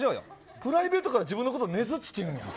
プライベートから自分のことねづっちって言うんや。